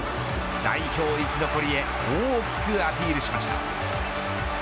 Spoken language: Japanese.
代表生き残りへ大きくアピールしました。